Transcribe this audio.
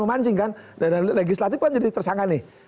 memancing kan dan legislatif kan jadi tersangka nih